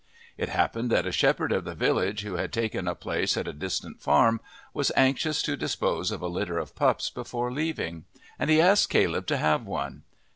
It happened that a shepherd of the village, who had taken a place at a distant farm, was anxious to dispose of a litter of pups before leaving, and he asked Caleb to have one.